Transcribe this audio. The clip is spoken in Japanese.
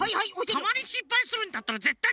たまにしっぱいするんだったらぜったい。